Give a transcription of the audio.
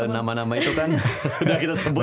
nama nama itu kan sudah kita sebut